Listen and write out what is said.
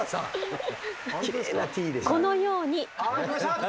このように。